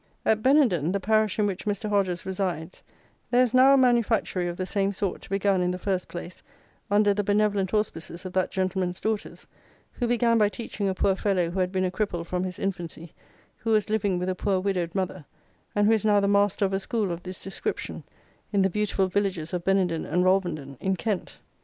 At Benenden, the parish in which Mr. Hodges resides, there is now a manufactory of the same sort, begun, in the first place, under the benevolent auspices of that gentleman's daughters, who began by teaching a poor fellow who had been a cripple from his infancy, who was living with a poor widowed mother, and who is now the master of a school of this description, in the beautiful villages of Benenden and Rolvenden, in Kent.